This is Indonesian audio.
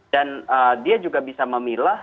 dan dia juga bisa memilah